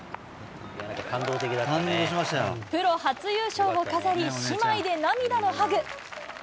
プロ初優勝を飾り、姉妹で涙のハグ。